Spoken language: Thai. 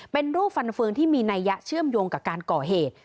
เป็นรูปฟันเฟืองที่มีนัยยะเชื่อมโยงกับการก่อเหตุ